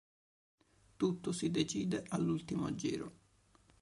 Tutto si decide all'ultimo giro.